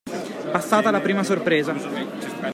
Passata la prima sorpresa.